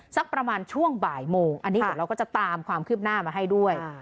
สักประมาณช่วงบ่ายโมงอันนี้เดี๋ยวเราก็จะตามความคืบหน้ามาให้ด้วย